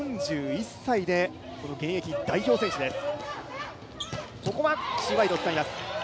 ４１歳で現役代表選手です。